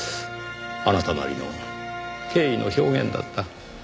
あなたなりの敬意の表現だった。